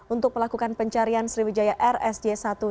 untuk melakukan pencarian sriwijaya rsj satu ratus dua puluh